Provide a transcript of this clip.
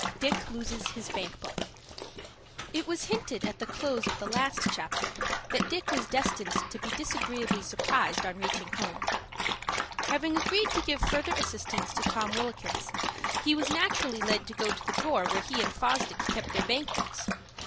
DICK LOSES HIS BANK BOOK It was hinted at the close of the last chapter that Dick was destined to be disagreeably surprised on reaching home. Having agreed to give further assistance to Tom Wilkins, he was naturally led to go to the drawer where he and Fosdick kept their bank books.